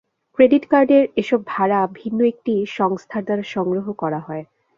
Credit কার্ডের এসব ভাড়া ভিন্ন একটি সংস্থার দ্বারা সংগ্রহ করা হয়।